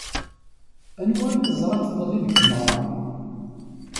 Anwa ay teẓramt iḍelli deg tmeɣra?